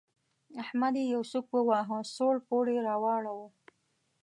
احمد يې يو سوک وواهه؛ سوړ پوړ يې راواړاوو.